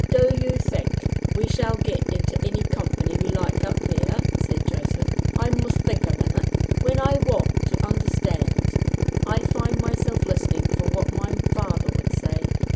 "Do you think we shall get into any company we like up there?" said Joseph. "I must think a minute. When I want to understand, I find myself listening for what my father would say.